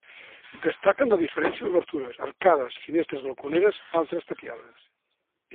Destaquen la diferència d'obertures: arcades, finestres balconeres, altres tapiades.